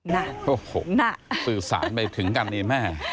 น่ะน่ะสื่อสารไปถึงกันเนี่ยแม่